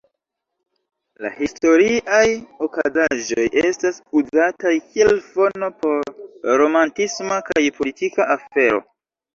La historiaj okazaĵoj estas uzataj kiel fono por romantisma kaj politika afero.